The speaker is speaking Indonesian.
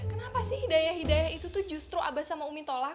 kenapa sih hidayah hidayah itu tuh justru abah sama umi tolak